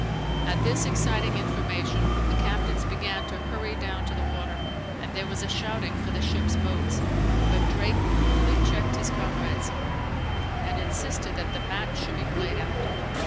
At this exciting information the captains began to hurry down to the water, and there was a shouting for the ship's boats: but Drake coolly checked his comrades, and insisted that the match should be played out.